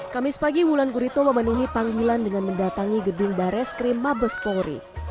kami sepagi wulan gurito memenuhi panggilan dengan mendatangi gedung bares krim mabespori